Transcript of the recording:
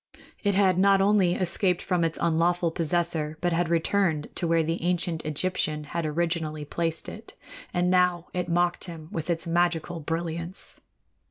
It had not only escaped from its unlawful possessor, but had returned to where the ancient Egyptian had originally placed it; and now it mocked him with its magical brilliance.